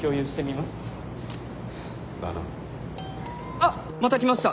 あっまた来ました！